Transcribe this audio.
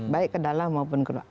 baik ke dalam maupun ke luar